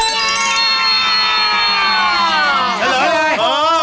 เฉลิม